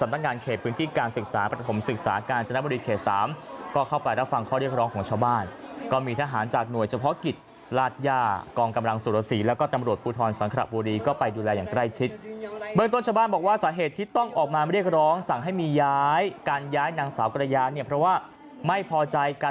ที่การศึกษาประถมศึกษาการจนบริเวณเขต๓ก็เข้าไปแล้วฟังข้อเรียกร้องของชาวบ้านก็มีทหารจากหน่วยเฉพาะกิจราชยากองกำลังศูนย์สี่แล้วก็ตำรวจปุทธรสังครับบุรีก็ไปดูแลอย่างใกล้ชิดเบื้องต้นชาวบ้านบอกว่าสาเหตุที่ต้องออกมาไม่เรียกร้องสั่งให้มีย้ายการย้ายนางสาวกระยานเนี่ยเพราะว่า